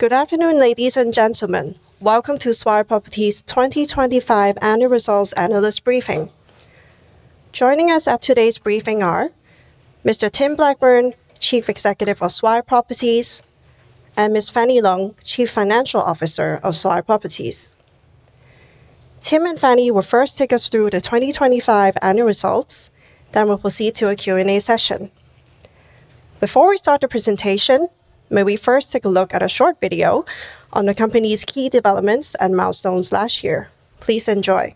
Good afternoon, ladies and gentlemen. Welcome to Swire Properties 2025 annual results analyst briefing. Joining us at today's briefing are Mr. Tim Blackburn, Chief Executive of Swire Properties, and Ms. Fanny Lung, Chief Financial Officer of Swire Properties. Tim and Fanny will first take us through the 2025 annual results, then we'll proceed to a Q&A session. Before we start the presentation, may we first take a look at a short video on the company's key developments and milestones last year. Please enjoy.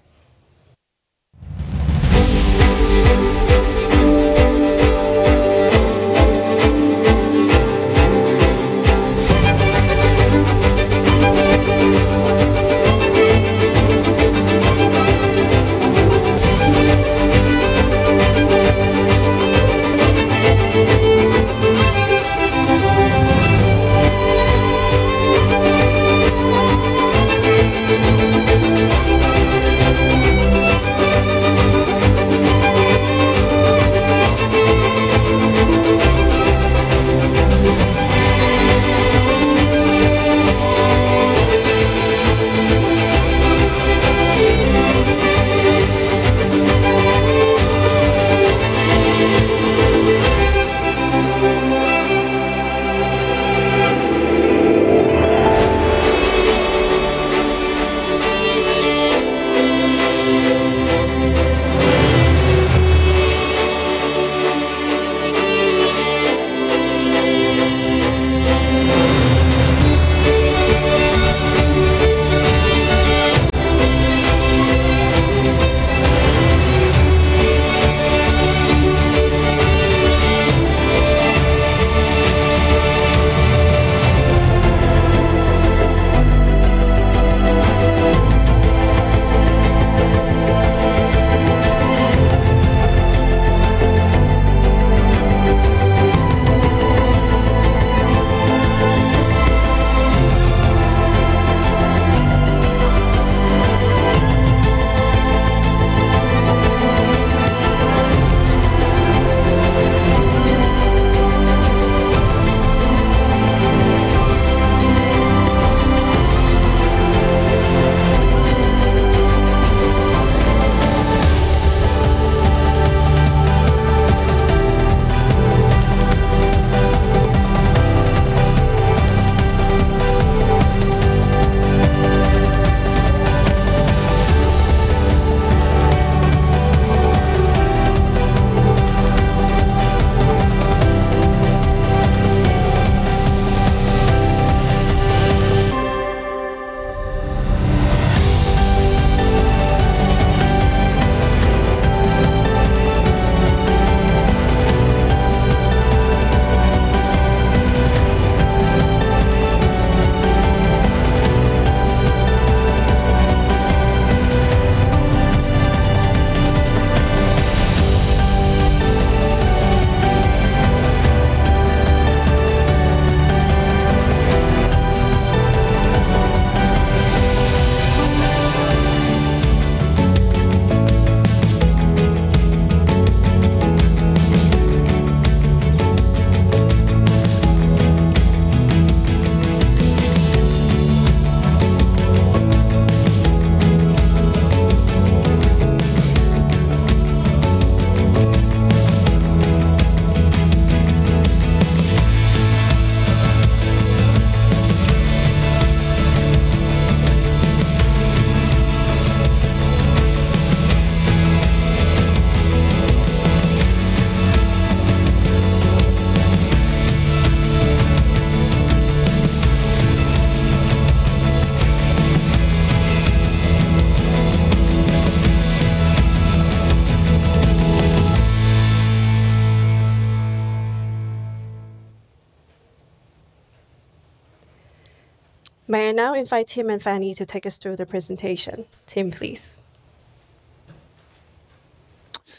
May I now invite Tim and Fanny to take us through the presentation. Tim, please.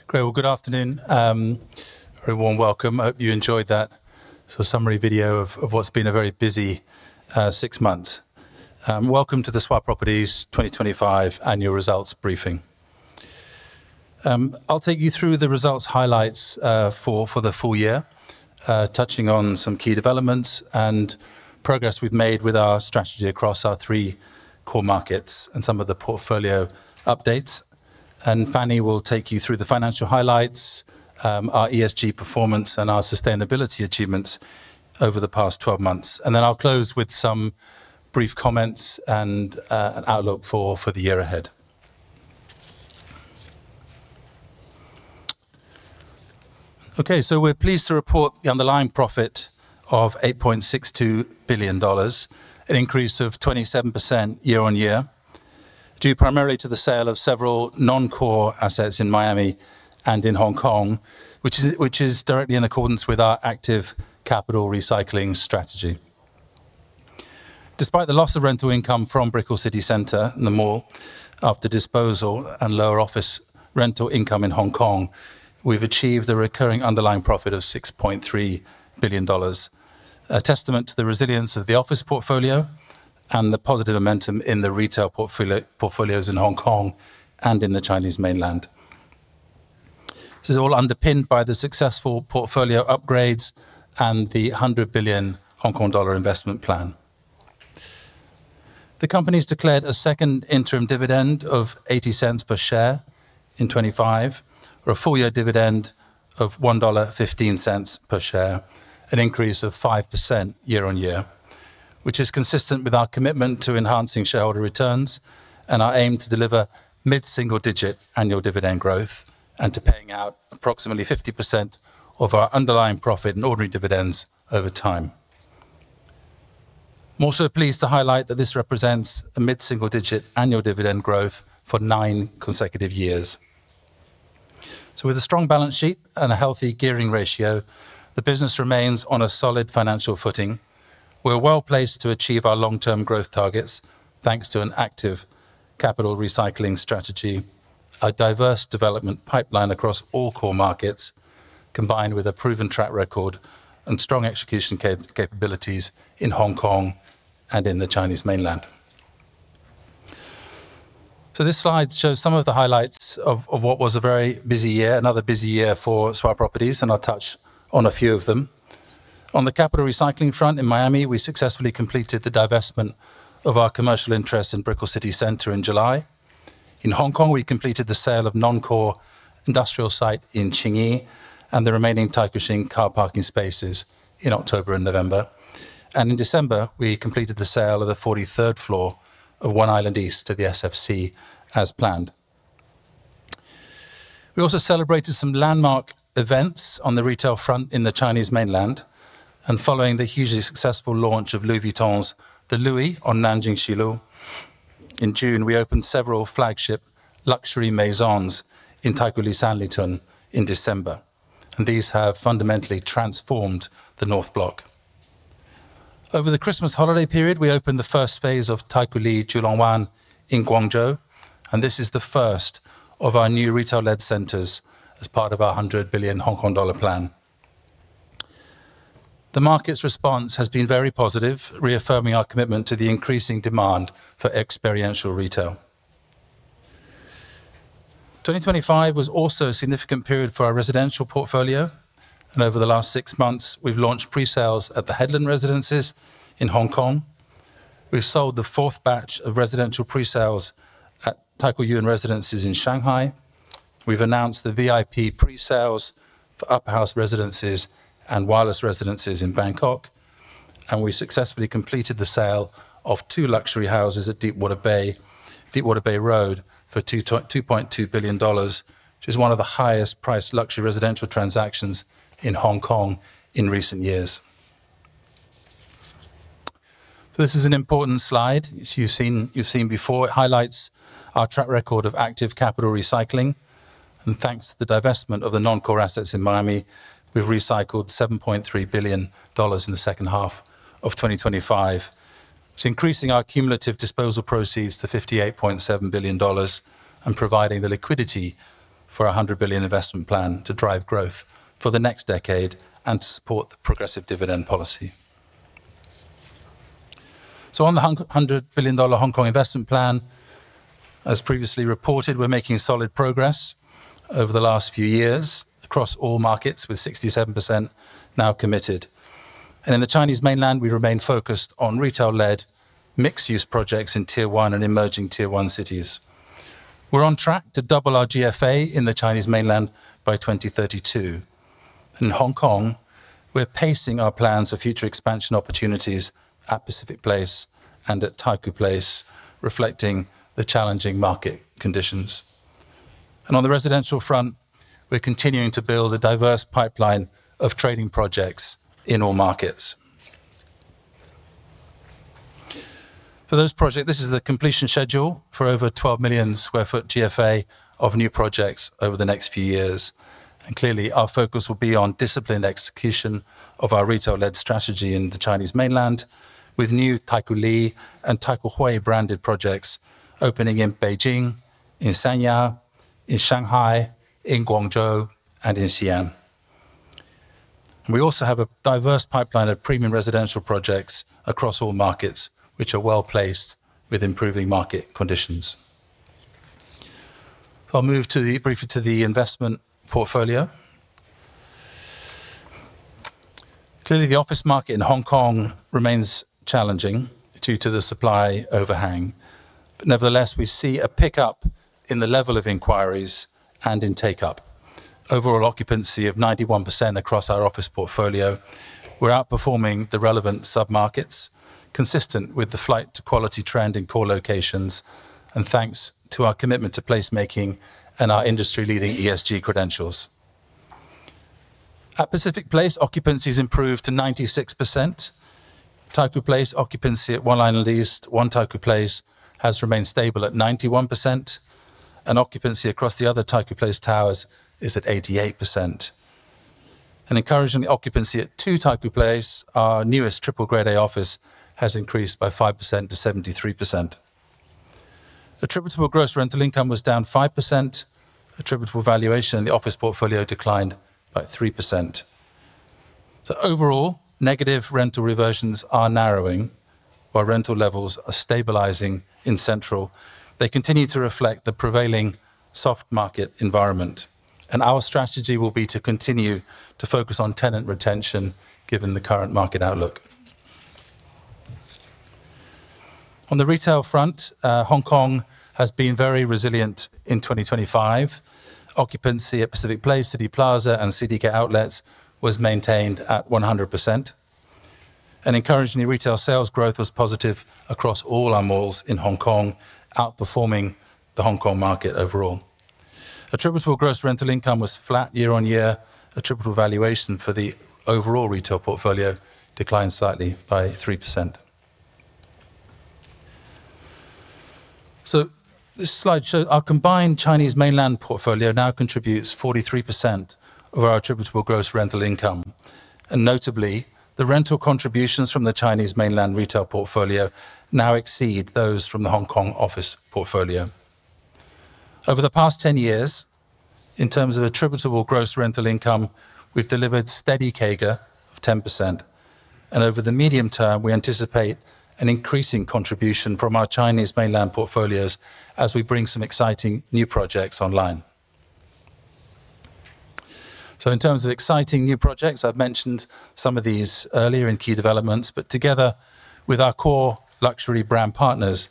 Great. Well, good afternoon. A very warm welcome. I hope you enjoyed that sort of summary video of what's been a very busy six months. Welcome to the Swire Properties 2025 annual results briefing. I'll take you through the results highlights for the full year, touching on some key developments and progress we've made with our strategy across our three core markets and some of the portfolio updates. Fanny will take you through the financial highlights, our ESG performance, and our sustainability achievements over the past 12 months. I'll close with some brief comments and an outlook for the year ahead. We're pleased to report the underlying profit of 8.62 billion dollars, an increase of 27% year-on-year, due primarily to the sale of several non-core assets in Miami and in Hong Kong, which is directly in accordance with our active capital recycling strategy. Despite the loss of rental income from Brickell City Centre and the mall after disposal and lower office rental income in Hong Kong, we've achieved a recurring underlying profit of 6.3 billion dollars, a testament to the resilience of the office portfolio and the positive momentum in the retail portfolios in Hong Kong and in the Chinese Mainland. this is all underpinned by the successful portfolio upgrades and the 100 billion Hong Kong dollar investment plan. The company's declared a second interim dividend of 0.80 per share in 2025, or a full year dividend of 1.15 dollar per share, an increase of 5% year-on-year, which is consistent with our commitment to enhancing shareholder returns and our aim to deliver mid-single digit annual dividend growth, and to paying out approximately 50% of our underlying profit in ordinary dividends over time. I'm also pleased to highlight that this represents a mid-single digit annual dividend growth for nine consecutive years. With a strong balance sheet and a healthy gearing ratio, the business remains on a solid financial footing. We're well-placed to achieve our long-term growth targets thanks to an active capital recycling strategy, a diverse development pipeline across all core markets, combined with a proven track record and strong execution capabilities in Hong Kong and in the Chinese Mainland. This slide shows some of the highlights of what was a very busy year, another busy year for Swire Properties, and I'll touch on a few of them. On the capital recycling front in Miami, we successfully completed the divestment of our commercial interests in Brickell City Centre in July. In Hong Kong, we completed the sale of non-core industrial site in Tsing Yi and the remaining Taikoo Shing car parking spaces in October and November. In December, we completed the sale of the 43rd floor of One Island East to the SFC as planned. We also celebrated some landmark events on the retail front in the Chinese Mainland, and following the hugely successful launch of Louis Vuitton's The Louis on Nanjing East Road. In June, we opened several flagship luxury Maisons in Taikoo Li Sanlitun in December, and these have fundamentally transformed the North Block. Over the Christmas holiday period, we opened the first phase of Taikoo Li Julong Wan in Guangzhou, and this is the first of our new retail-led centers as part of our 100 billion Hong Kong dollar plan. The market's response has been very positive, reaffirming our commitment to the increasing demand for experiential retail. 2025 was also a significant period for our residential portfolio, and over the last six months, we've launched pre-sales at The Headland Residences in Hong Kong. We sold the fourth batch of residential pre-sales at Taikoo Yuan Residences in Shanghai. We've announced the VIP pre-sales for Upper House Residences and Wireless Residences in Bangkok, and we successfully completed the sale of two luxury houses at Deep Water Bay, Deep Water Bay Road for 22.2 billion dollars, which is one of the highest priced luxury residential transactions in Hong Kong in recent years. This is an important slide you've seen before. It highlights our track record of active capital recycling, and thanks to the divestment of the non-core assets in Miami, we've recycled 7.3 billion dollars in the second half of 2025. It's increasing our cumulative disposal proceeds to 58.7 billion dollars and providing the liquidity for our 100 billion investment plan to drive growth for the next decade and to support the progressive dividend policy. On the 100 billion Hong Kong dollars Hong Kong investment plan, as previously reported, we're making solid progress over the last few years across all markets with 67% now committed. In the Chinese Mainland, we remain focused on retail-led mixed-use projects in Tier 1 and emerging Tier 1 cities. We're on track to double our GFA in the Chinese Mainland by 2032. In Hong Kong, we're pacing our plans for future expansion opportunities at Pacific Place and at Taikoo Place reflecting the challenging market conditions. On the residential front, we're continuing to build a diverse pipeline of trading projects in all markets. For those projects, this is the completion schedule for over 12 million sq ft GFA of new projects over the next few years. Clearly, our focus will be on disciplined execution of our retail-led strategy in the Chinese Mainland with new Taikoo Li and Taikoo Hui branded projects opening in Beijing, in Sanya, in Shanghai, in Guangzhou, and in Xi'an. We also have a diverse pipeline of premium residential projects across all markets, which are well-placed with improving market conditions. I'll move briefly to the investment portfolio. Clearly, the office market in Hong Kong remains challenging due to the supply overhang. Nevertheless, we see a pickup in the level of inquiries and in take-up. Overall occupancy of 91% across our office portfolio. We're outperforming the relevant submarkets consistent with the flight to quality trend in core locations and thanks to our commitment to placemaking and our industry-leading ESG credentials. At Pacific Place, occupancy has improved to 96%. Taikoo Place occupancy at One Island East, One Taikoo Place has remained stable at 91%, and occupancy across the other Taikoo Place towers is at 88%. Encouraging the occupancy at Two Taikoo Place, our newest triple Grade A office has increased by 5%-73%. Attributable gross rental income was down 5%. Attributable valuation in the office portfolio declined by 3%. Overall, negative rental reversions are narrowing while rental levels are stabilizing in Central. They continue to reflect the prevailing soft market environment. Our strategy will be to continue to focus on tenant retention given the current market outlook. On the retail front, Hong Kong has been very resilient in 2025. Occupancy at Pacific Place, City Plaza and Citygate Outlets was maintained at 100%. Encouragingly retail sales growth was positive across all our malls in Hong Kong, outperforming the Hong Kong market overall. Attributable gross rental income was flat year on year. Attributable valuation for the overall retail portfolio declined slightly by 3%. This slide shows our combined Chinese Mainland portfolio now contributes 43% of our attributable gross rental income. Notably, the rental contributions from the Chinese Mainland retail portfolio now exceed those from the Hong Kong office portfolio. Over the past 10 years, in terms of attributable gross rental income, we've delivered steady CAGR of 10%. Over the medium term, we anticipate an increasing contribution from our Chinese Mainland portfolios as we bring some exciting new projects online. In terms of exciting new projects, I've mentioned some of these earlier in key developments, but together with our core luxury brand partners,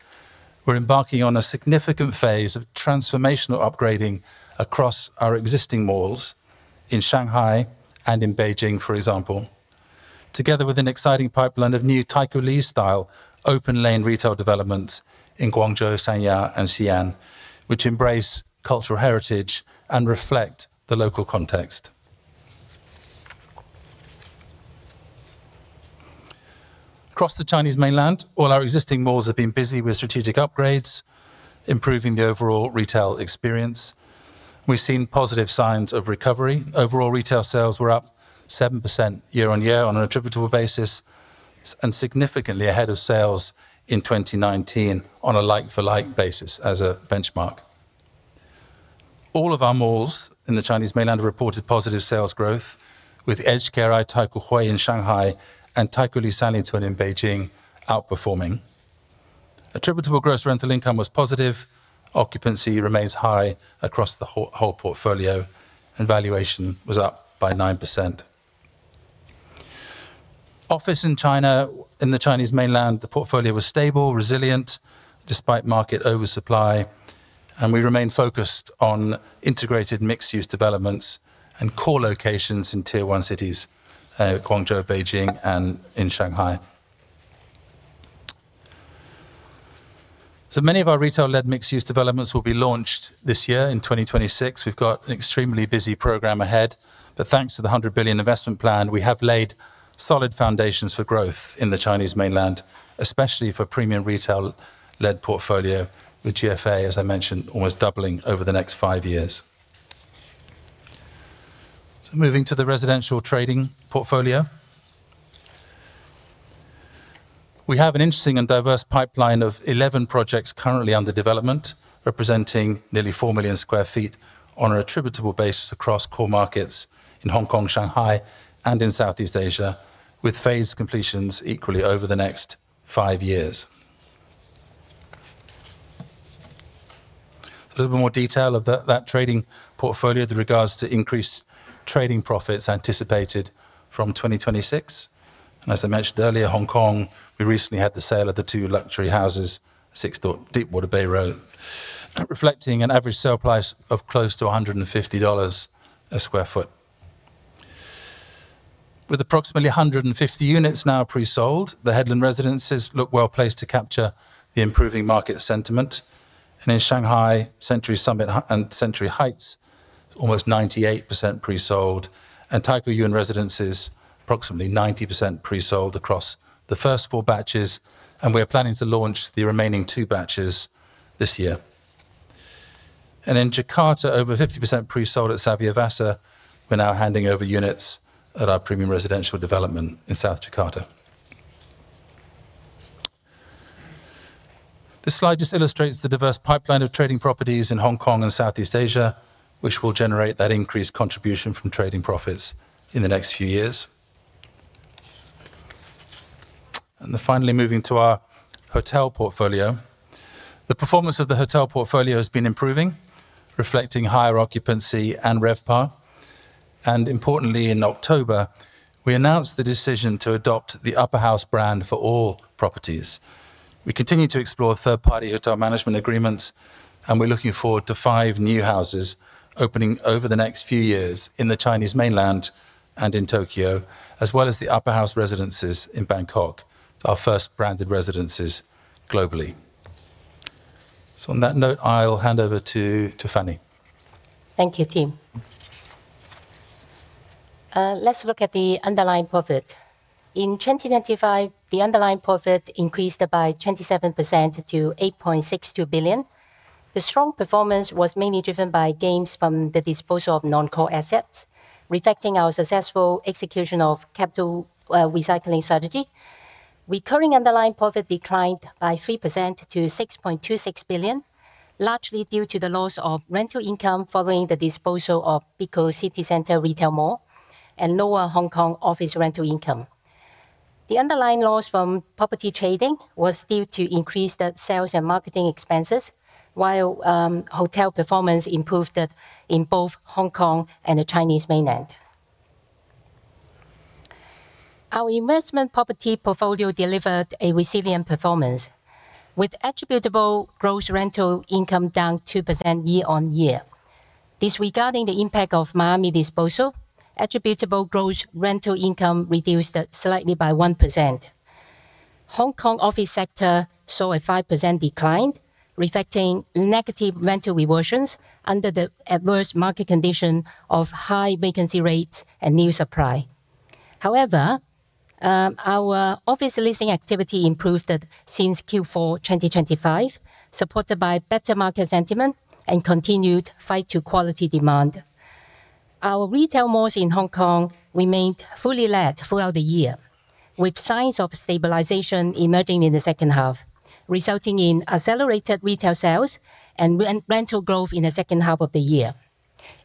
we're embarking on a significant phase of transformational upgrading across our existing malls in Shanghai and in Beijing, for example. Together with an exciting pipeline of new Taikoo Li-style open lane retail developments in Guangzhou, Sanya and Xi'an, which embrace cultural heritage and reflect the local context. Across the Chinese Mainland, all our existing malls have been busy with strategic upgrades, improving the overall retail experience. We've seen positive signs of recovery. Overall, retail sales were up 7% year-on-year on an attributable basis, and significantly ahead of sales in 2019 on a like-for-like basis as a benchmark. All of our malls in the Chinese Mainland reported positive sales growth with HKRI Taikoo Hui in Shanghai and Taikoo Li Sanlitun in Beijing outperforming. Attributable gross rental income was positive. Occupancy remains high across the whole portfolio and valuation was up by 9%. Office in the Chinese Mainland, the portfolio was stable, resilient despite market oversupply, and we remain focused on integrated mixed-use developments and core locations in tier one cities, Guangzhou, Beijing, and in Shanghai. Many of our retail-led mixed-use developments will be launched this year in 2026. We've got an extremely busy program ahead. Thanks to the 100 billion investment plan, we have laid solid foundations for growth in the Chinese Mainland, especially for premium retail-led portfolio with GFA, as I mentioned, almost doubling over the next five years. Moving to the residential trading portfolio. We have an interesting and diverse pipeline of 11 projects currently under development, representing nearly 4 million sq ft on an attributable basis across core markets in Hong Kong, Shanghai and in Southeast Asia, with phased completions equally over the next five years. A little bit more detail of that trading portfolio with regards to increased trading profits anticipated from 2026. As I mentioned earlier, Hong Kong, we recently had the sale of the two luxury houses, 6 Deep Water Bay Road, reflecting an average sale price of close to 150 dollars a sq ft. With approximately 150 units now pre-sold, The Headland Residences look well-placed to capture the improving market sentiment. In Shanghai, Century Summit and Century Heights is almost 98% pre-sold, and Taikoo Yuan Residences approximately 90% pre-sold across the first four batches, and we are planning to launch the remaining two batches this year. In Jakarta, over 50% pre-sold at Savyavasa. We're now handing over units at our premium residential development in South Jakarta. This slide just illustrates the diverse pipeline of trading properties in Hong Kong and Southeast Asia, which will generate that increased contribution from trading profits in the next few years. Finally moving to our hotel portfolio. The performance of the hotel portfolio has been improving, reflecting higher occupancy and RevPAR. Importantly, in October, we announced the decision to adopt the Upper House brand for all properties. We continue to explore third-party hotel management agreements, and we're looking forward to five new houses opening over the next few years in the Chinese Mainland and in Tokyo, as well as the Upper House Residences in Bangkok, our first branded residences globally. On that note, I'll hand over to Fanny. Thank you, Tim. Let's look at the underlying profit. In 2025, the underlying profit increased by 27% to 8.62 billion. The strong performance was mainly driven by gains from the disposal of non-core assets, reflecting our successful execution of capital recycling strategy. Recurring underlying profit declined by 3% to 6.26 billion. Largely due to the loss of rental income following the disposal of Brickell City Centre retail mall and lower Hong Kong office rental income. The underlying loss from property trading was due to increased sales and marketing expenses, while hotel performance improved in both Hong Kong and the Chinese Mainland. Our investment property portfolio delivered a resilient performance, with attributable gross rental income down 2% year-on-year. Disregarding the impact of Miami disposal, attributable gross rental income reduced slightly by 1%. Hong Kong office sector saw a 5% decline, reflecting negative rental reversions under the adverse market condition of high vacancy rates and new supply. However, our office leasing activity improved since Q4 2025, supported by better market sentiment and continued flight to quality demand. Our retail malls in Hong Kong remained fully let throughout the year, with signs of stabilization emerging in the second half, resulting in accelerated retail sales and rental growth in the second half of the year.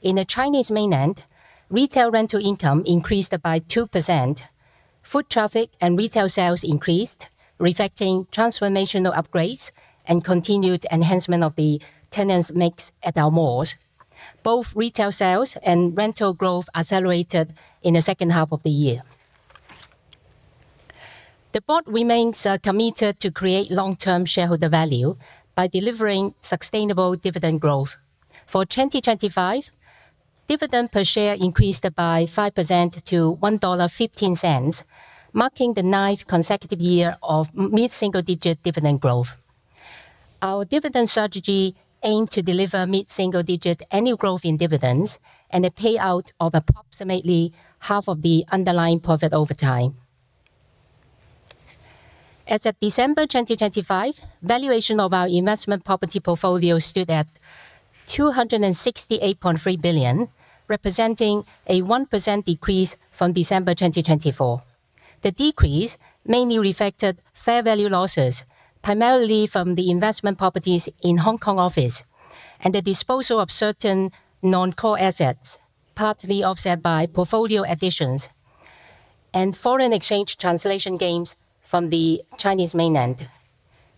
In the Chinese Mainland, retail rental income increased by 2%. Foot traffic and retail sales increased, reflecting transformational upgrades and continued enhancement of the tenant mix at our malls. Both retail sales and rental growth accelerated in the second half of the year. The board remains committed to create long-term shareholder value by delivering sustainable dividend growth. For 2025, dividend per share increased by 5% to 1.15 dollar, marking the ninth consecutive year of mid-single-digit dividend growth. Our dividend strategy aimed to deliver mid-single-digit annual growth in dividends and a payout of approximately half of the underlying profit over time. As at December 2025, valuation of our investment property portfolio stood at 268.3 billion, representing a 1% decrease from December 2024. The decrease mainly reflected fair value losses, primarily from the investment properties in Hong Kong office and the disposal of certain non-core assets, partly offset by portfolio additions and foreign exchange translation gains from the Chinese Mainland.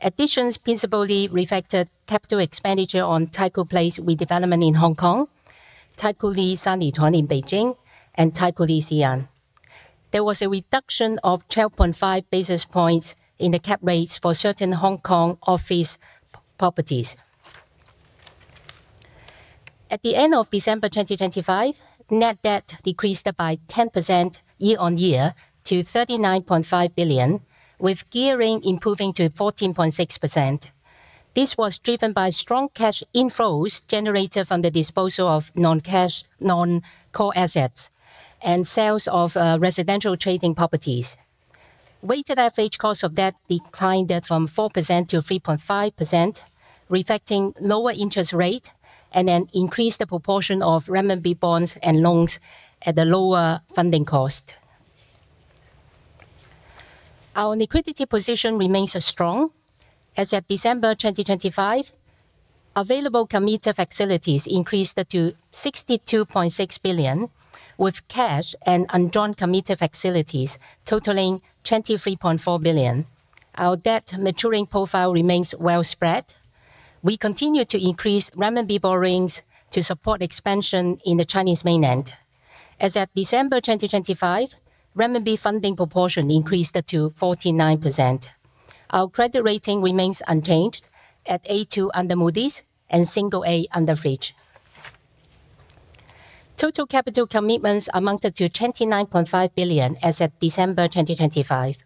Additions principally reflected capital expenditure on Taikoo Place redevelopment in Hong Kong, Taikoo Li Sanlitun in Beijing, and Taikoo Li in Xi'an. There was a reduction of 12.5 basis points in the cap rates for certain Hong Kong office properties. At the end of December 2025, net debt decreased by 10% year-on-year to 39.5 billion, with gearing improving to 14.6%. This was driven by strong cash inflows generated from the disposal of non-cash, non-core assets and sales of residential trading properties. Weighted average cost of debt declined from 4%-3.5%, reflecting lower interest rate and an increased proportion of renminbi bonds and loans at a lower funding cost. Our liquidity position remains strong. As at December 2025, available committed facilities increased to 62.6 billion, with cash and undrawn committed facilities totaling 23.4 billion. Our debt maturing profile remains well spread. We continue to increase renminbi borrowings to support expansion in the Chinese Mainland. As at December 2025, renminbi funding proportion increased to 49%. Our credit rating remains unchanged at A2 under Moody's and single A under Fitch. Total capital commitments amounted to 29.5 billion as of December 2025,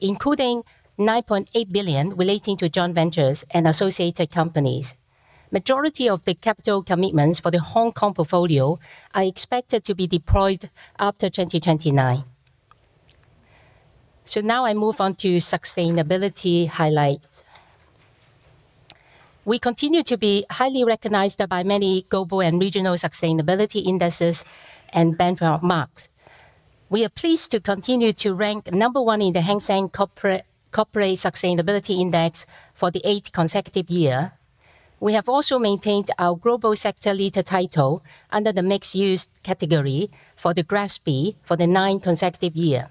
including 9.8 billion relating to joint ventures and associated companies. Majority of the capital commitments for the Hong Kong portfolio are expected to be deployed after 2029. Now I move on to sustainability highlights. We continue to be highly recognized by many global and regional sustainability indexes and benchmarks. We are pleased to continue to rank number one in the Hang Seng Corporate Sustainability Index for the eighth consecutive year. We have also maintained our global sector leader title under the mixed-use category for the GRESB for the ninth consecutive year.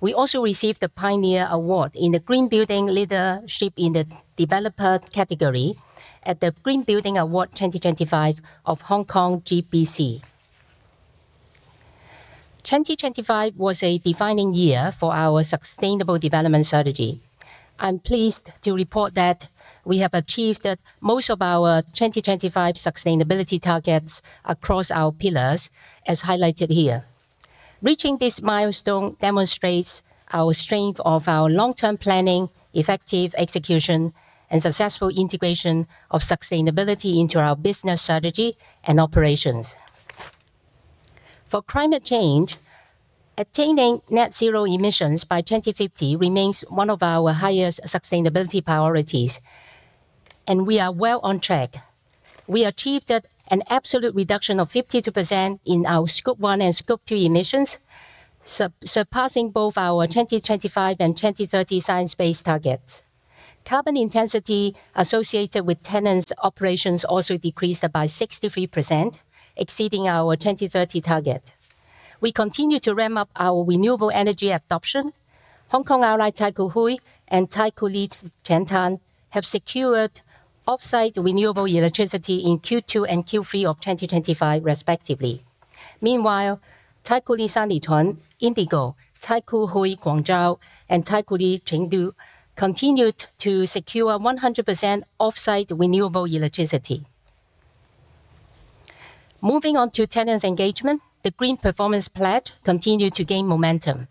We also received the Pioneer Award in the Green Building Leadership in the Developer category at the Green Building Award 2025 of Hong Kong Green Building Council. 2025 was a defining year for our sustainable development strategy. I'm pleased to report that we have achieved most of our 2025 sustainability targets across our pillars, as highlighted here. Reaching this milestone demonstrates the strength of our long-term planning, effective execution, and successful integration of sustainability into our business strategy and operations. For climate change, attaining net-zero emissions by 2050 remains one of our highest sustainability priorities, and we are well on track. We achieved an absolute reduction of 52% in our Scope 1 and Scope 2 emissions, surpassing both our 2025 and 2030 science-based targets. Carbon intensity associated with tenants' operations also decreased by 63%, exceeding our 2030 target. We continue to ramp up our renewable energy adoption. Taikoo Place, Hong Kong and Taikoo Li Shenzhen have secured offsite renewable electricity in Q2 and Q3 of 2025 respectively. Meanwhile, Taikoo Li Sanlitun, Indigo, Taikoo Hui Guangzhou and Taikoo Li Chengdu continued to secure 100% offsite renewable electricity. Moving on to tenant engagement. The Green Performance Pledge continued to gain momentum.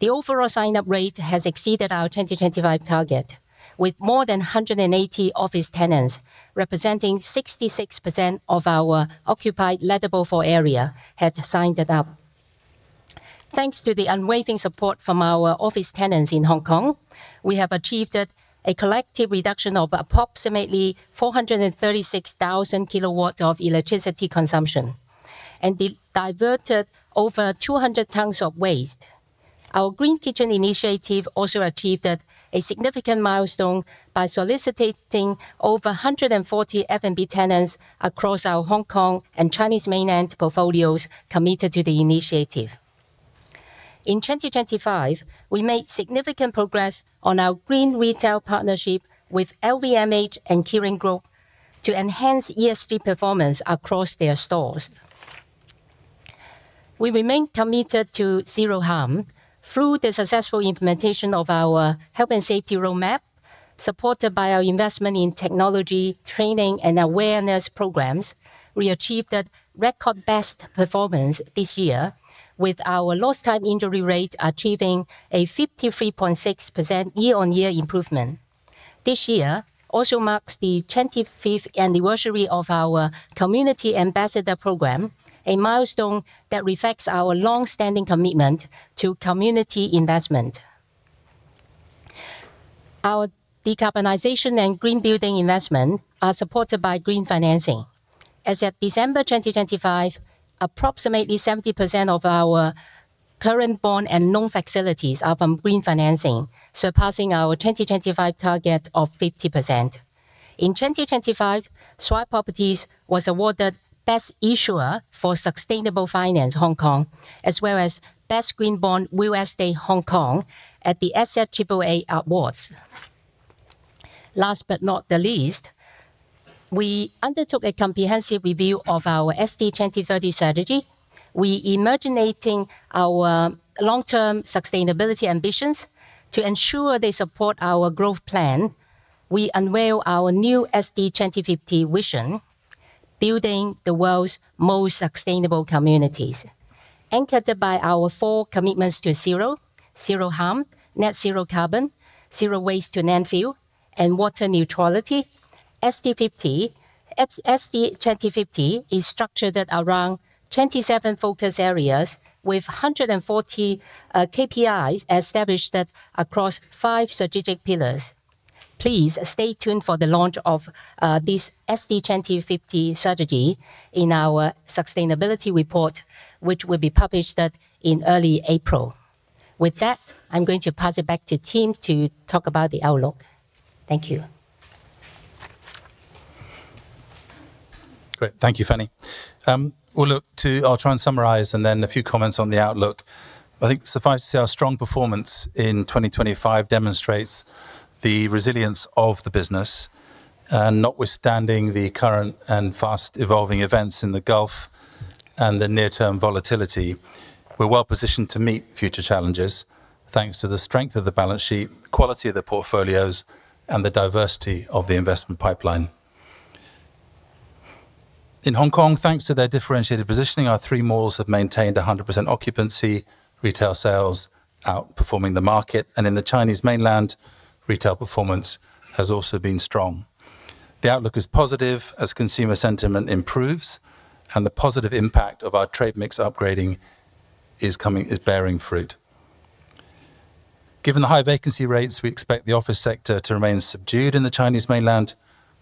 The overall sign-up rate has exceeded our 2025 target, with more than 180 office tenants, representing 66% of our occupied lettable floor area had signed it up. Thanks to the unwavering support from our office tenants in Hong Kong, we have achieved a collective reduction of approximately 436,000 kWh of electricity consumption and diverted over 200 tons of waste. Our Green Kitchen initiative also achieved a significant milestone by soliciting over 140 F&B tenants across our Hong Kong and Chinese Mainland portfolios committed to the initiative. In 2025, we made significant progress on our green retail partnership with LVMH` Kering Group to enhance ESG performance across their stores. We remain committed to zero harm through the successful implementation of our health and safety roadmap, supported by our investment in technology, training and awareness programs. We achieved a record best performance this year with our lost time injury rate achieving a 53.6% year-on-year improvement. This year also marks the 25th anniversary of our Community Ambassador program, a milestone that reflects our long-standing commitment to community investment. Our decarbonization and green building investment are supported by green financing. As at December 2025, approximately 70% of our current bond and loan facilities are from green financing, surpassing our 2025 target of 50%. In 2025, Swire Properties was awarded Best Issuer for Sustainable Finance Hong Kong as well as Best Green Bond USD State Hong Kong at the The Asset Triple A Awards. Last but not least, we undertook a comprehensive review of our SD 2030 strategy. We reimagining our long-term sustainability ambitions to ensure they support our growth plan. We unveil our new SD 2050 vision, building the world's most sustainable communities. Anchored by our four commitments to zero. Zero harm, net zero carbon, zero waste to landfill and water neutrality. SD 2050 is structured around 27 focus areas with 140 KPIs established across five strategic pillars. Please stay tuned for the launch of this SD 2030 Strategy in our sustainability report, which will be published in early April. With that, I'm going to pass it back to Tim to talk about the outlook. Thank you. Great. Thank you, Fanny. I'll try and summarize and then a few comments on the outlook. I think suffice to say, our strong performance in 2025 demonstrates the resilience of the business. Notwithstanding the current and fast evolving events in the Gulf and the near-term volatility, we're well-positioned to meet future challenges thanks to the strength of the balance sheet, quality of the portfolios and the diversity of the investment pipeline. In Hong Kong, thanks to their differentiated positioning, our three malls have maintained 100% occupancy, retail sales outperforming the market. In the Chinese Mainland, retail performance has also been strong. The outlook is positive as consumer sentiment improves and the positive impact of our trade mix upgrading is bearing fruit. Given the high vacancy rates, we expect the office sector to remain subdued in the Chinese Mainland,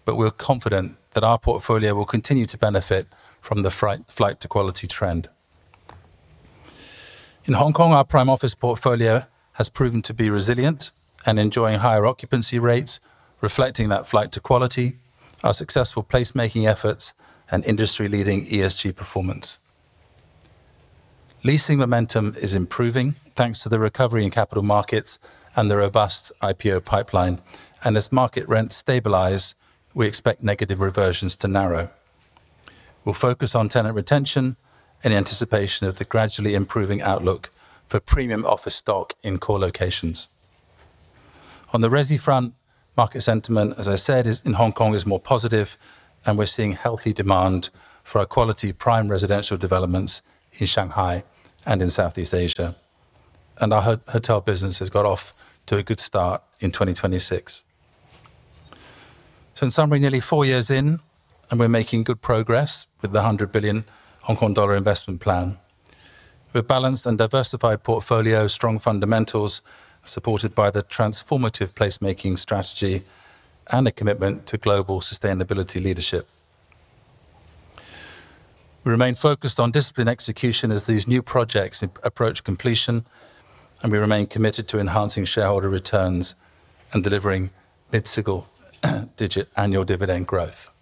but we're confident that our portfolio will continue to benefit from the flight to quality trend. In Hong Kong, our prime office portfolio has proven to be resilient and enjoying higher occupancy rates reflecting that flight to quality, our successful placemaking efforts and industry-leading ESG performance. Leasing momentum is improving thanks to the recovery in capital markets and the robust IPO pipeline. As market rents stabilize, we expect negative reversions to narrow. We'll focus on tenant retention in anticipation of the gradually improving outlook for premium office stock in core locations. On the resi front, market sentiment, as I said, in Hong Kong is more positive and we're seeing healthy demand for our quality prime residential developments in Shanghai and in Southeast Asia. Our hotel business has got off to a good start in 2026. In summary, nearly four years in, we're making good progress with the 100 billion Hong Kong dollar investment plan. We have a balanced and diversified portfolio, strong fundamentals, supported by the transformative placemaking strategy and a commitment to global sustainability leadership. We remain focused on disciplined execution as these new projects approach completion, and we remain committed to enhancing shareholder returns and delivering mid-single digit annual dividend growth.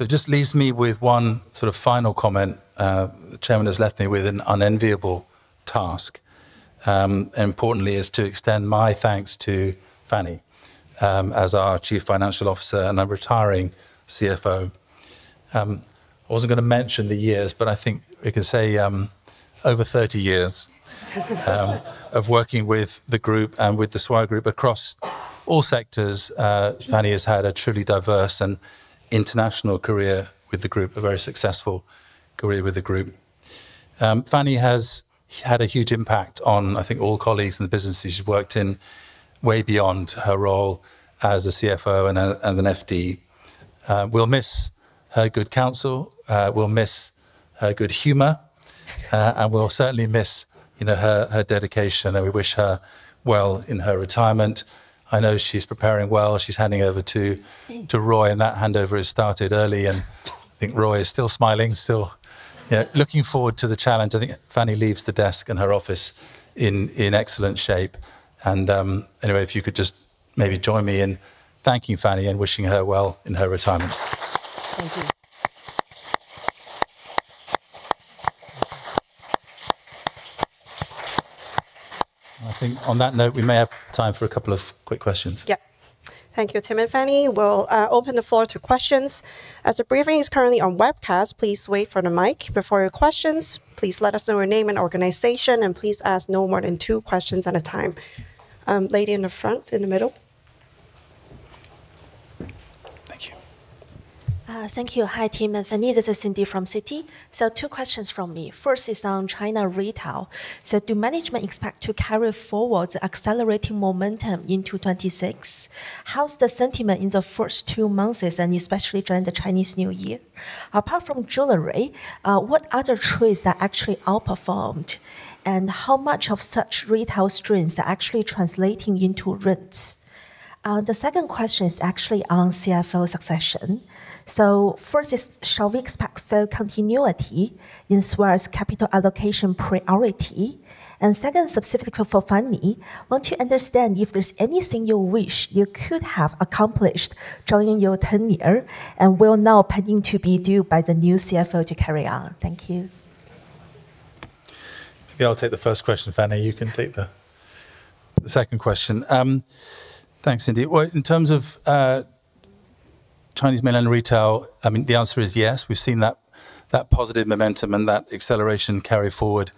It just leaves me with one sort of final comment. The chairman has left me with an unenviable task. Importantly, is to extend my thanks to Fanny Lung, as our Chief Financial Officer and a retiring CFO. I wasn't gonna mention the years, but I think we can say over 30 years of working with the group and with the Swire Group across all sectors. Fanny has had a truly diverse and international career with the group, a very successful career with the group. Fanny has had a huge impact on, I think all colleagues in the businesses she's worked in way beyond her role as a CFO and an FD. We'll miss her good counsel, we'll miss her good humor, and we'll certainly miss, you know, her dedication, and we wish her well in her retirement. I know she's preparing well. She's handing over to Roy, and that handover has started early, and I think Roy is still smiling, still, you know, looking forward to the challenge. I think Fanny leaves the desk and her office in excellent shape. Anyway, if you could just maybe join me in thanking Fanny and wishing her well in her retirement. Thank you. I think on that note, we may have time for a couple of quick questions. Yeah. Thank you, Tim and Fanny. We'll open the floor to questions. As the briefing is currently on webcast, please wait for the mic before your questions. Please let us know your name and organization, and please ask no more than two questions at a time. Lady in the front, in the middle. Thank you. Thank you. Hi, Tim and Fanny. This is Cindy from Citi. Two questions from me. First is on China retail. Do management expect to carry forward the accelerating momentum in 2026? How's the sentiment in the first two months, and especially during the Chinese New Year? Apart from jewelry, what other trades are actually outperformed? And how much of such retail streams are actually translating into rents? The second question is actually on CFO succession. First is, shall we expect full continuity in Swire's capital allocation priority? And second, specifically for Fanny, want to understand if there's anything you wish you could have accomplished during your tenure and will now be pending to be done by the new CFO to carry on. Thank you. Yeah, I'll take the first question. Fanny, you can take the second question. Thanks, Cindy. Well, in terms of Chinese Mainland retail, I mean, the answer is yes. We've seen that positive momentum and that acceleration carry forward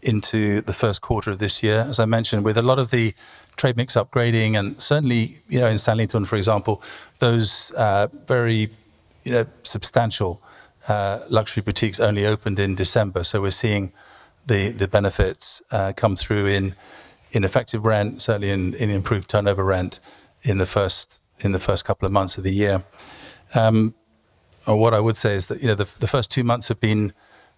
into the first quarter of this year. As I mentioned, with a lot of the trade mix upgrading and certainly, you know, in Sanlitun, for example, those very, you know, substantial luxury boutiques only opened in December. So we're seeing the benefits come through in effective rent, certainly in improved turnover rent in the first couple of months of the year. What I would say is that, you know, the first two months have been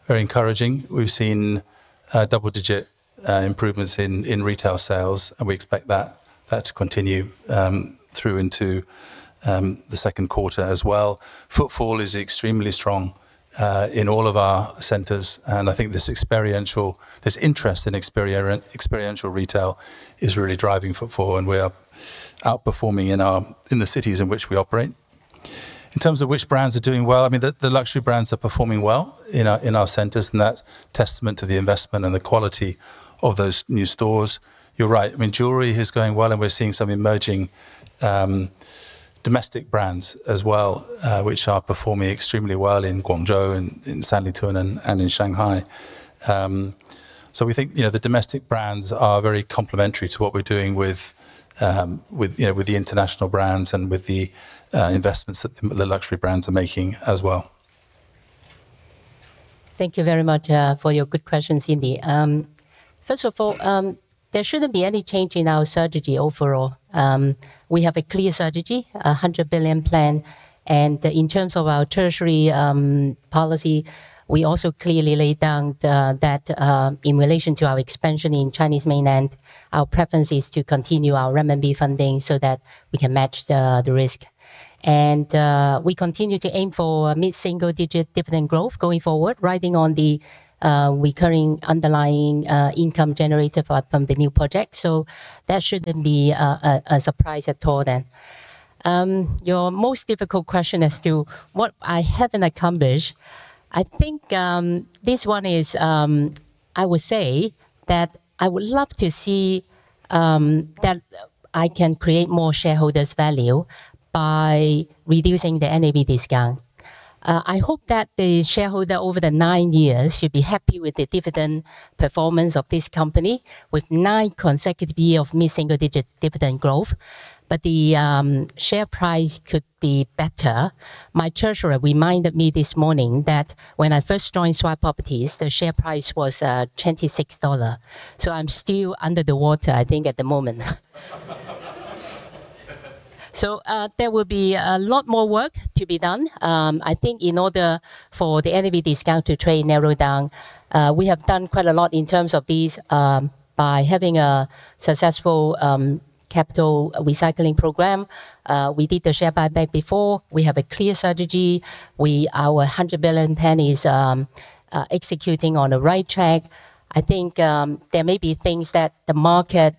very encouraging. We've seen double-digit improvements in retail sales, and we expect that to continue through the second quarter as well. Footfall is extremely strong in all of our centers, and I think this interest in experiential retail is really driving footfall, and we are outperforming in the cities in which we operate. In terms of which brands are doing well, I mean, the luxury brands are performing well in our centers, and that's testament to the investment and the quality of those new stores. You're right. I mean, jewelry is going well and we're seeing some emerging domestic brands as well, which are performing extremely well in Guangzhou and in Sanlitun and in Shanghai. We think, you know, the domestic brands are very complementary to what we're doing with, you know, with the international brands and with the investments that the luxury brands are making as well. Thank you very much for your good question, Cindy. First of all, there shouldn't be any change in our strategy overall. We have a clear strategy, 100 billion plan. In terms of our treasury policy, we also clearly laid down that in relation to our expansion in Chinese Mainland, our preference is to continue our RMB funding so that we can match the risk. We continue to aim for mid-single digit dividend growth going forward, riding on the recurring underlying income generated from the new project. That shouldn't be a surprise at all then. Your most difficult question as to what I haven't accomplished. I think this one is, I would say that I would love to see that I can create more shareholders value by reducing the NAV discount. I hope that the shareholder over the nine years should be happy with the dividend performance of this company with nine consecutive years of mid-single-digit dividend growth, but the share price could be better. My treasurer reminded me this morning that when I first joined Swire Properties, the share price was 26 dollar. I'm still underwater, I think, at the moment. There will be a lot more work to be done. I think in order for the NAV discount to narrow, we have done quite a lot in terms of these by having a successful capital recycling program. We did the share buyback before. We have a clear strategy. Our 100 billion plan is executing on the right track. I think there may be things that the market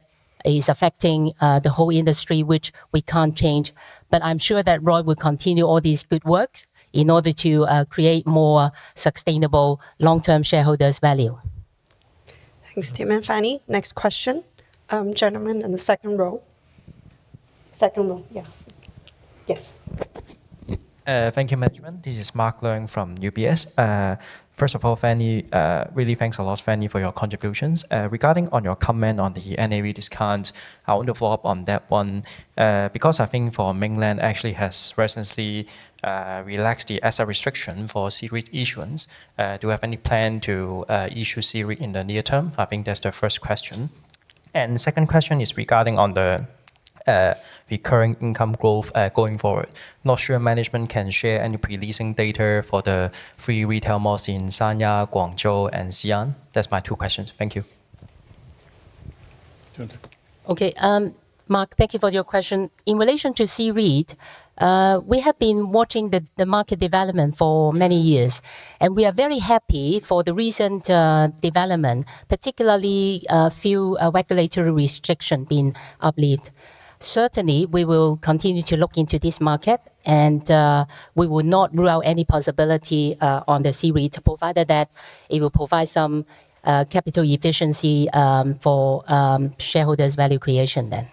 is affecting, the whole industry, which we can't change. I'm sure that Roy will continue all these good works in order to create more sustainable long-term shareholder value. Thanks, Tim and Fanny. Next question. Gentleman in the second row. Yes. Thank you, management. This is Mark Leung from UBS. First of all, Fanny, really thanks a lot, Fanny, for your contributions. Regarding on your comment on the NAV discount, I want to follow up on that one. Because I think the Mainland actually has recently relaxed the asset restriction for C-REIT issuance. Do you have any plan to issue C-REIT in the near term? I think that's the first question. The second question is regarding on the current income growth going forward. Not sure management can share any pre-leasing data for the three retail malls in Sanya, Guangzhou, and Xi'an. That's my two questions. Thank you. Okay. Okay. Mark, thank you for your question. In relation to C-REIT, we have been watching the market development for many years, and we are very happy for the recent development, particularly a few regulatory restrictions being lifted. Certainly, we will continue to look into this market, and we will not rule out any possibility on the C-REIT, provided that it will provide some capital efficiency for shareholder value creation then.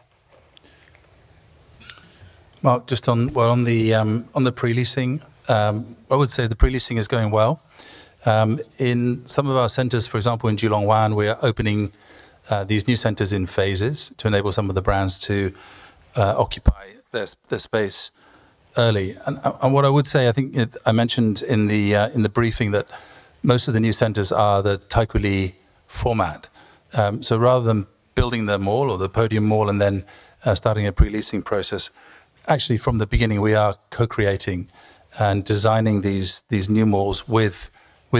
Mark, just on the pre-leasing, well, on the pre-leasing, I would say the pre-leasing is going well. In some of our centers, for example, in Julong Wan, we are opening these new centers in phases to enable some of the brands to occupy the space early. What I would say, I think I mentioned in the briefing that most of the new centers are the Taikoo Li format. So rather than building the mall or the podium mall and then starting a pre-leasing process, actually, from the beginning, we are co-creating and designing these new malls with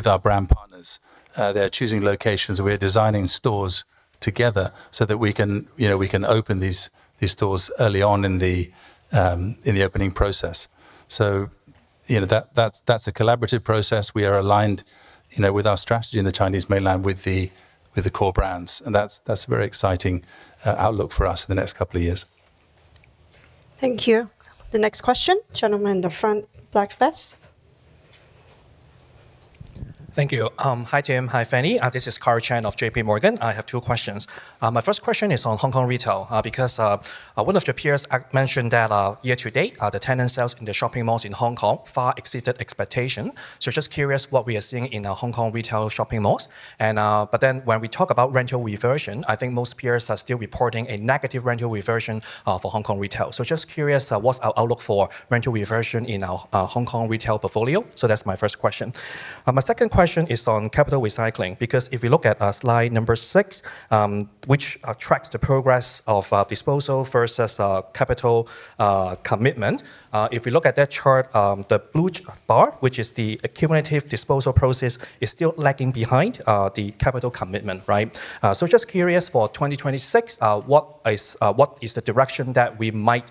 our brand partners. They are choosing locations, and we are designing stores together so that we can, you know, open these stores early on in the opening process. You know, that's a collaborative process. We are aligned, you know, with our strategy in the Chinese Mainland with the core brands, and that's a very exciting outlook for us in the next couple of years. Thank you. The next question, gentleman in the front, black vest. Thank you. Hi, Tim. Hi, Fanny. This is Karl Chan of JPMorgan. I have two questions. My first question is on Hong Kong retail, because one of your peers mentioned that, year-to-date, the tenant sales in the shopping malls in Hong Kong far exceeded expectation. Just curious what we are seeing in our Hong Kong retail shopping malls. But then when we talk about rental reversion, I think most peers are still reporting a negative rental reversion for Hong Kong retail. Just curious, what's our outlook for rental reversion in our Hong Kong retail portfolio? That's my first question. My second question is on capital recycling, because if you look at slide number six, which tracks the progress of disposal versus capital commitment. If you look at that chart, the blue bar, which is the accumulative disposal process, is still lagging behind the capital commitment, right? Just curious for 2026, what is the direction that we might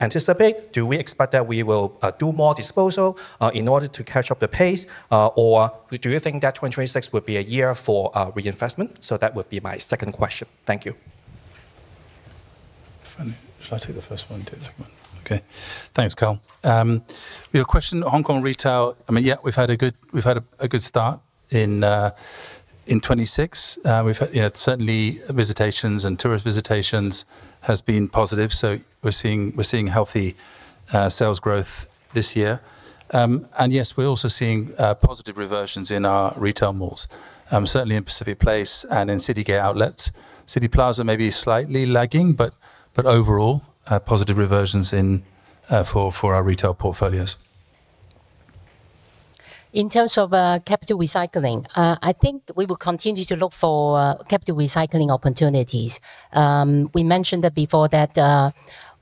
anticipate? Do we expect that we will do more disposal in order to catch up the pace? Or do you think that 2026 would be a year for reinvestment? That would be my second question. Thank you. Fanny, shall I take the first one? Do the second one. Okay. Thanks, Karl. Your question, Hong Kong retail, I mean, yeah, we've had a good start in 2026. We've had, you know, certainly visitations and tourist visitations has been positive, so we're seeing healthy sales growth this year. Yes, we're also seeing positive reversions in our retail malls, certainly in Pacific Place and in Citygate Outlets. Cityplaza may be slightly lagging, but overall positive reversions for our retail portfolios. In terms of capital recycling, I think we will continue to look for capital recycling opportunities. We mentioned that before that,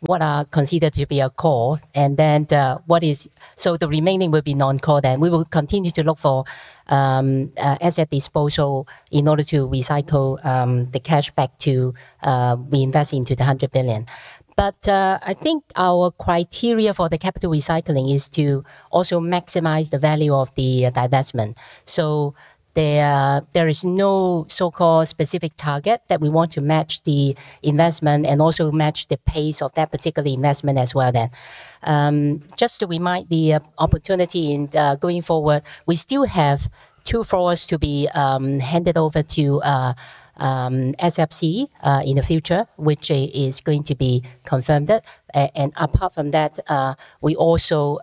what are considered to be a core and then, so the remaining will be non-core, then. We will continue to look for asset disposal in order to recycle the cash back to reinvest into the 100 billion. I think our criteria for the capital recycling is to also maximize the value of the divestment. There is no so-called specific target that we want to match the investment and also match the pace of that particular investment as well then. Just to remind the opportunity in going forward, we still have two floors to be handed over to SFC in the future, which is going to be confirmed. Apart from that, we also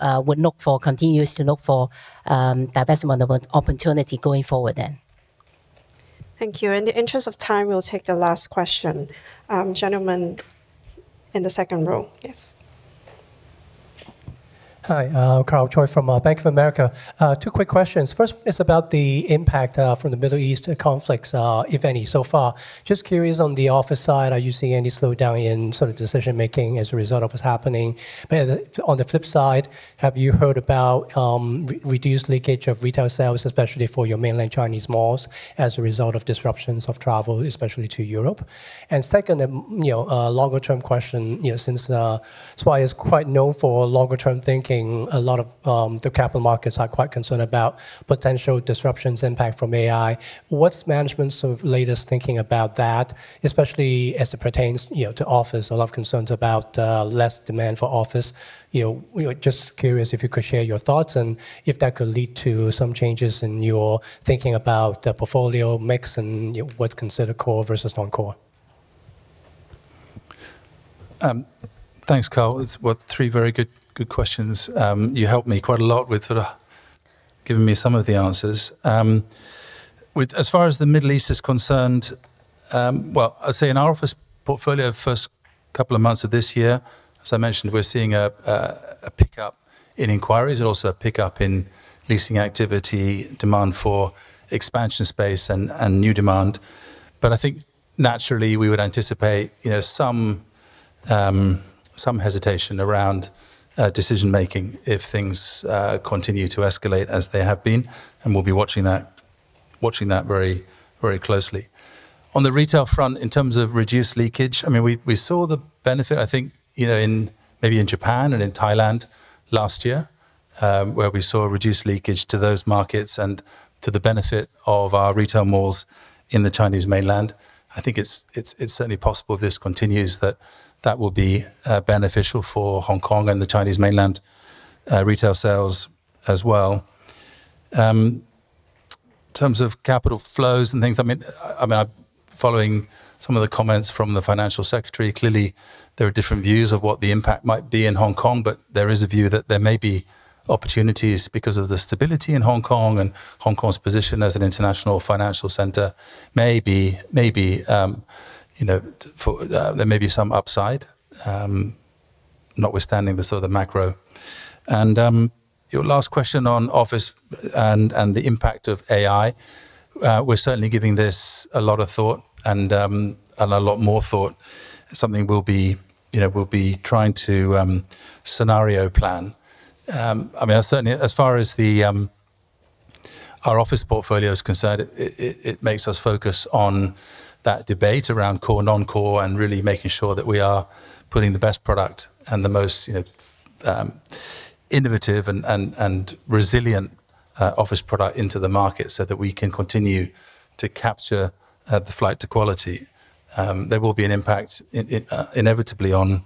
continue to look for divestment opportunity going forward then. Thank you. In the interest of time, we'll take the last question. Gentleman in the second row. Yes. Hi, Karl Choi from Bank of America. Two quick questions. First is about the impact from the Middle East conflicts, if any so far. Just curious on the office side, are you seeing any slowdown in sort of decision making as a result of what's happening? On the flip side, have you heard about reduced leakage of retail sales, especially for your mainland Chinese malls as a result of disruptions of travel, especially to Europe? Second, you know, a longer term question, you know, since Swire is quite known for longer term thinking, a lot of the capital markets are quite concerned about potential disruptions impact from AI. What's management's sort of latest thinking about that, especially as it pertains, you know, to office? A lot of concerns about less demand for office. You know, we were just curious if you could share your thoughts and if that could lead to some changes in your thinking about the portfolio mix and, you know, what's considered core versus non-core? Thanks, Karl. It's what, three very good questions. You helped me quite a lot with sort of giving me some of the answers. As far as the Middle East is concerned, well, I'd say in our office portfolio first couple of months of this year, as I mentioned, we're seeing a pickup in inquiries and also a pickup in leasing activity, demand for expansion space and new demand. But I think naturally we would anticipate, you know, some hesitation around decision making if things continue to escalate as they have been. We'll be watching that very closely. On the retail front, in terms of reduced leakage, I mean, we saw the benefit I think, you know, in maybe in Japan and in Thailand last year, where we saw reduced leakage to those markets and to the benefit of our retail malls in the Chinese Mainland. I think it's certainly possible if this continues that will be beneficial for Hong Kong and the Chinese Mainland retail sales as well. In terms of capital flows and things, I mean, following some of the comments from the financial secretary, clearly there are different views of what the impact might be in Hong Kong. There is a view that there may be opportunities because of the stability in Hong Kong and Hong Kong's position as an international financial center. Maybe you know for there may be some upside notwithstanding the sort of macro. Your last question on office and the impact of AI, we're certainly giving this a lot of thought and a lot more thought. Something we'll be you know trying to scenario plan. I mean, certainly as far as our office portfolio is concerned, it makes us focus on that debate around core, non-core and really making sure that we are putting the best product and the most, you know, innovative and resilient office product into the market so that we can continue to capture the flight to quality. There will be an impact inevitably on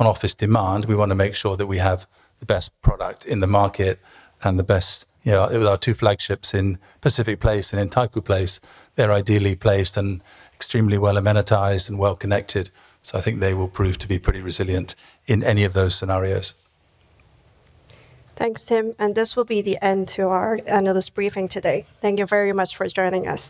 office demand. We want to make sure that we have the best product in the market and the best, you know, with our two flagships in Pacific Place and in Taikoo Place, they're ideally placed and extremely well amenitized and well connected. I think they will prove to be pretty resilient in any of those scenarios. Thanks, Tim, and this will be the end to our analyst briefing today. Thank you very much for joining us.